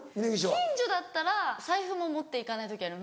近所だったら財布も持って行かない時あります。